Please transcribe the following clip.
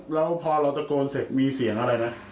แล้วพอเราตะโกนเสร็จมีเสียงอะไรไหม